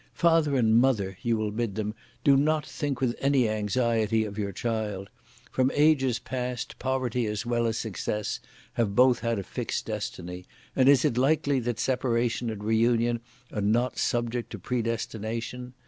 "Father and mother," you will bid them, "do not think with any anxiety of your child. From ages past poverty as well as success have both had a fixed destiny; and is it likely that separation and reunion are not subject to predestination?